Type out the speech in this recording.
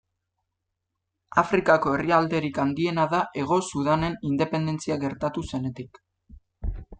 Afrikako herrialderik handiena da Hego Sudanen independentzia gertatu zenetik.